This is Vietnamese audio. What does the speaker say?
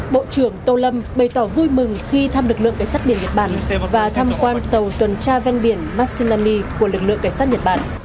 bộ trưởng tô lâm bày tỏ vui mừng khi thăm lực lượng cảnh sát biển nhật bản và tham quan tàu tuần tra ven biển massinami của lực lượng cảnh sát nhật bản